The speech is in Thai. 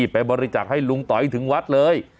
บริจักษ์ให้ลุงต๋อยถึงวัดเลย